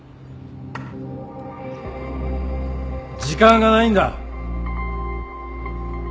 時間がないんだ。